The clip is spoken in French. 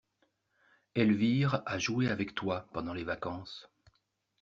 Elvire a joué avec toi, pendant les vacances.